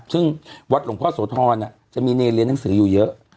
ซึ่งวัดหลวงพ่อโสธรจะมีเนรเรียนหนังสืออยู่เยอะ